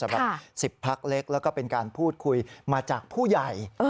สำหรับ๑๐พักเล็กแล้วก็เป็นการพูดคุยมาจากผู้ใหญ่